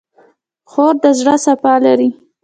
خور د زړه صفا لري.